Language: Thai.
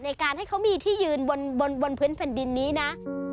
ในการให้เขามีที่ยืนบนพื้นแผ่นดินนี้นะ